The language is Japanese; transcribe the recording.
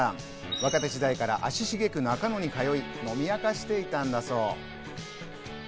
若手時代から足繁く中野に通い、飲み明かしていたんだそう。